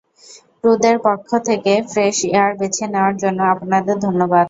ক্রুদের পক্ষ থেকে, fresh air বেছে নেওয়ার জন্য আপনাদের ধন্যবাদ।